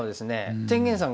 天元さん